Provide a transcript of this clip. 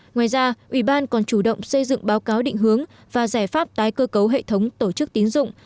ngoài ra ủy ban còn chủ động xây dựng báo cáo định hướng và giải pháp tái cơ cấu hệ thống tổ chức tín dụng